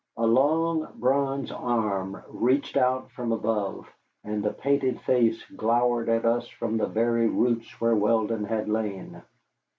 A long, bronze arm reached out from above, and a painted face glowered at us from the very roots where Weldon had lain.